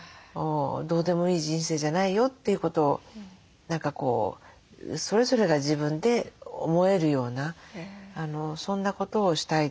どうでもいい人生じゃないよということを何かそれぞれが自分で思えるようなそんなことをしたい。